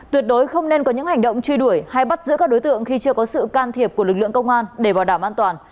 tuyệt đối không nên có những hành động truy đuổi hay bắt giữ các đối tượng khi chưa có sự can thiệp của lực lượng công an để bảo đảm an toàn